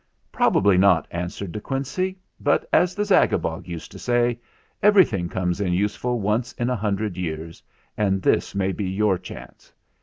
"Probably not," answered De Quincey; "but, as the Zagabog used to say, 'everything comes in useful once in a hundred years'; and this may be your chance.